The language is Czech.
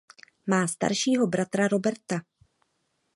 Má staršího bratra Roberta.